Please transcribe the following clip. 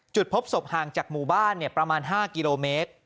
จุดพบศพห่างจากมุมบ้านเนี่ยประมาณ๕กิโลเมตร